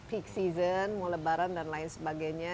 pada musim panas mulebaran dan lain sebagainya